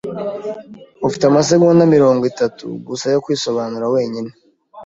Ufite amasegonda mirongo itatu gusa yo kwisobanura wenyine.